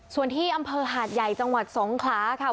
ส่วนที่อำเภอหาดใหญ่จังหวัดสงขลาค่ะ